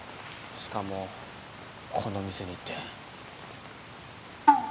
しかもこの店にって。